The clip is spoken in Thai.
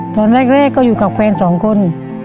ตอนแรกก็อยู่กับแฟนสองคน